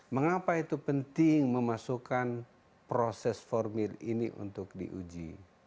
mengapa itu penting memasukkan proses formil ini untuk diuji